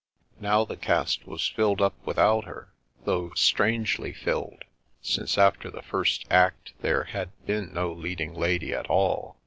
Now the cast was filled up without her, though strangely filled, since after the first act there had been no leading lady at all.